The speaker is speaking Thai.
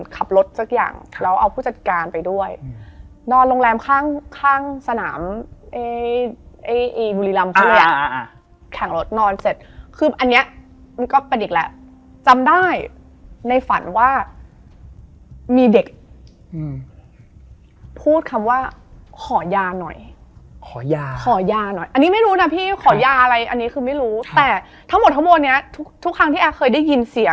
เข้าไปอย่างเงี้ยเข้าไปเยอะขนาดเนี้ย